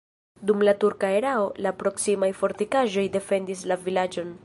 Dum la turka erao la proksimaj fortikaĵoj defendis la vilaĝon.